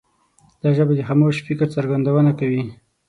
دا ژبه د خاموش فکر څرګندونه کوي.